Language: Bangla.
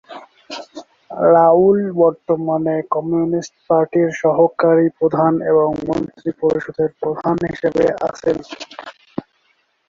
রাউল বর্তমানে কমিউনিস্ট পার্টির সহকারী প্রধান এবং মন্ত্রী পরিষদের প্রধান হিসেবে আছেন।